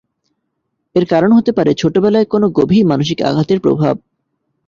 এর কারণ হতে পারে, ছোটবেলায় কোন গভীর মানসিক আঘাতের প্রভাব।